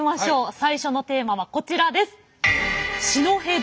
最初のテーマはこちらです。